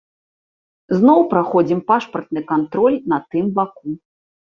Зноў праходзім пашпартны кантроль на тым баку.